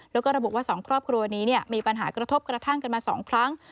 แล้วก็ระบุว่า๒ครอบครัวนี้มีปัญหากระทบกระทั่งกันมา๒ครั้ง